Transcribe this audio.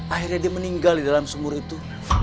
akhirnya dia meninggal di dalam sumur itu